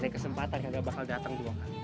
kesempatan gak bakal datang